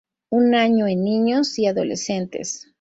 Un año en niños y adolescentes.